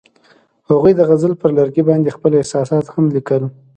هغوی د غزل پر لرګي باندې خپل احساسات هم لیکل.